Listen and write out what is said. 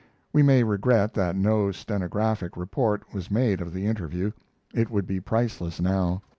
We may regret that no stenographic report was made of the interview. It would be priceless now.